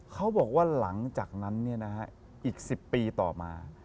เขาบอกว่าหลังจากนั้นอีก๑๐ปีต่อมา